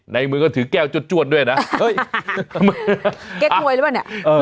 ในมือก็ถือแก้วจดจวดด้วยนะเฮ้ยเก็ตมวยหรือเปล่าเนี้ยเออ